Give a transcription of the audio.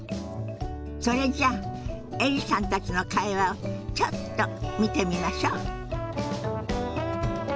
それじゃエリさんたちの会話をちょっと見てみましょ。